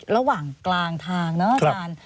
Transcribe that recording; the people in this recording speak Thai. ระหว่างกลางทางนะอาจารย์